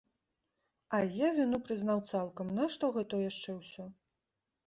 Ай, я віну прызнаў цалкам, нашто гэта яшчэ ўсё?